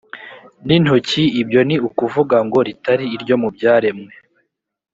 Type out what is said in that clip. n intoki ibyo ni ukuvuga ngo ritari iryo mu byaremwe